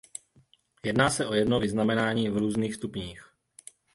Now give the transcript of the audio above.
Jedná se o jedno vyznamenání v různých stupních.